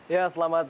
ya selamat pagi